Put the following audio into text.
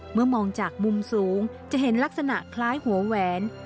มองจากมุมสูงจะเห็นลักษณะคล้ายหัวแหวน